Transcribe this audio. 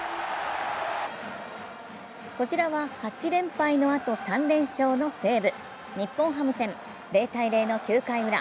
こちらは８連敗のあと３連勝の西武日本ハム戦、０−０の９回ウラ。